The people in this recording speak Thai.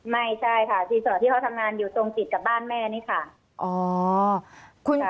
ไม่ใช่ค่ะรีสอร์ทที่เขาทำงานอยู่ตรงติดกับบ้านแม่นี่ค่ะ